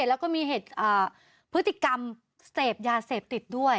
แล้วก็มีเหตุพฤติกรรมเสพยาเสพติดด้วย